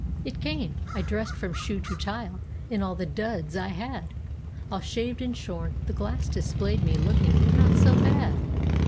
It came. I dressed from shoe to tile in all the "duds" I had; All shaved and shorn, the glass displayed me look¬ ing—"not so bad."